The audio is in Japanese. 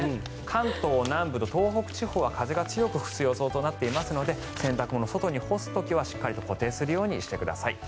関東南部と東北地方は風が強く吹く予想となっていますので洗濯物、外に干す時はしっかりと固定するようにしてください。